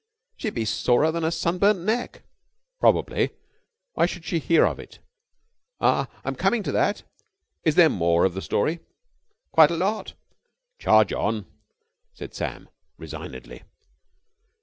"She'd be sorer than a sunburned neck." "Probably. But why should she hear of it?" "Ah! I'm coming to that." "Is there some more of the story?" "Quite a lot." "Charge on," said Sam resignedly.